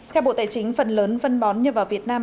theo bộ tài chính phần lớn phân bón như vào việt nam